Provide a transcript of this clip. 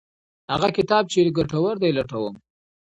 هغه کتاب چې ګټور دی لټوم.